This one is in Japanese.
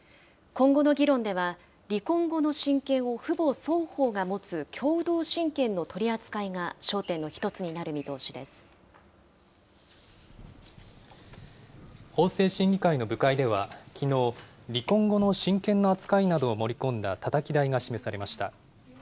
今後の議論では、離婚後の親権を父母双方が持つ共同親権の取り扱いが焦点の一つに法制審議会の部会ではきのう、離婚後の親権の扱いなどを盛り込んだたたき台が示されました。